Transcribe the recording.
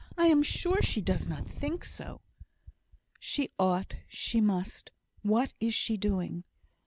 I am sure she does not think so." "She ought; she must. What is she doing?